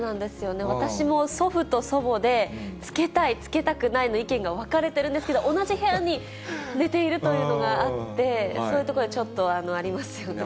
私も祖父と祖母で、つけたい、つけたくないの意見が分かれてるんですけど、同じ部屋に寝ているというのがあって、そういうとこありますね。